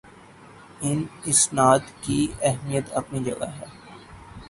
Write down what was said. ان اسناد کی اہمیت اپنی جگہ ہے